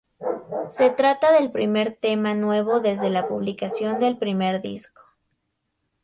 Se trata del primer tema nuevo desde la publicación del primer disco.